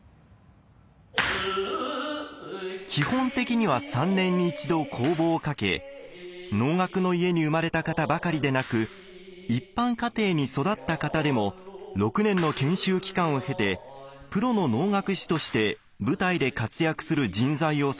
基本的には３年に１度公募をかけ能楽の家に生まれた方ばかりでなく一般家庭に育った方でも６年の研修期間を経てプロの能楽師として舞台で活躍する人材を育てているのです。